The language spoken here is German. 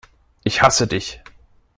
Ich hasse dich!